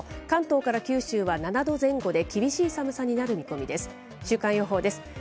関東から九州は７度前後で、厳しい寒さになる見込みです。